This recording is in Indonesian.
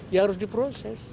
ya harus diproses